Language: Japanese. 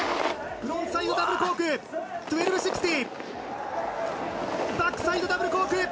フロントサイドダブルコーク１４４０。